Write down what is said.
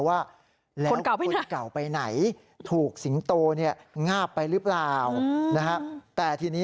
ไม่เป็นไร